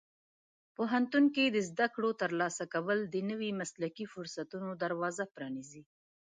پوهنتون کې د زده کړو ترلاسه کول د نوي مسلکي فرصتونو دروازه پرانیزي.